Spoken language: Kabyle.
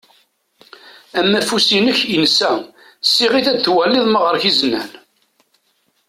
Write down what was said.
Amafus-inek insa. Siɣ-it ad twaliḍ ma ɣer-k izenan.